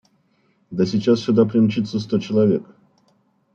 – Да сейчас сюда примчится сто человек!